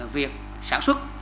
việc sản xuất